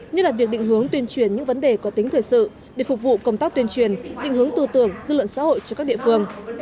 như là việc định hướng tuyên truyền những vấn đề có tính thời sự để phục vụ công tác tuyên truyền định hướng tư tưởng dư luận xã hội cho các địa phương